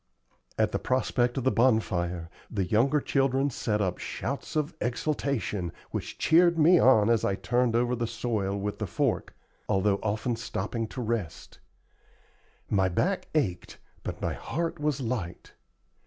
At the prospect of the bonfire the younger children set up shouts of exultation, which cheered me on as I turned over the soil with the fork, although often stopping to rest. My back ached, but my heart was light.